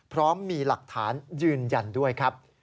พร้อมมีหลักฐานยืนยันด้วยครับ